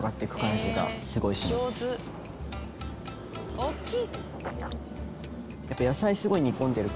大っきい！